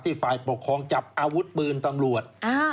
ฝ่ายปกครองจับอาวุธปืนตำรวจ